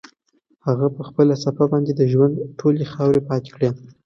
هغه په خپله صافه باندې د ژوند ټولې خاورې پاکې کړې.